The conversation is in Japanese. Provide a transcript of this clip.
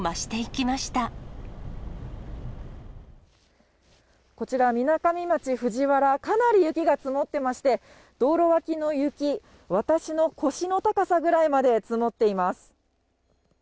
みなかみ町では時間がたつにこちら、みなかみ町ふじわら、かなり雪が積もってまして、道路脇の雪、私の腰の高さぐらいまで積もっています。